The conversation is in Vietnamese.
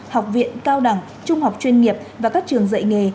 học viện cao đẳng trung học chuyên nghiệp và các trường dạy nghề